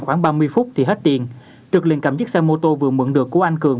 khoảng ba mươi phút thì hết tiền trực liền cầm chiếc xe mô tô vừa mượn được của anh cường